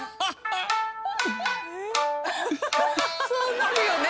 そうなるよね。